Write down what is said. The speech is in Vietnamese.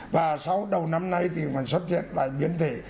và sau đầu năm nay thì vẫn xuất hiện lại biến thể